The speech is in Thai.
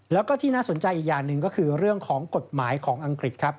แล้วก็ที่น่าสนใจอีกอย่างหนึ่งก็คือเรื่องของกฎหมายของอังกฤษครับ